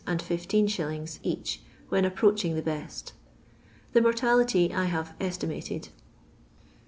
and Ifis. each when approaching the best. The mortality I have estimated.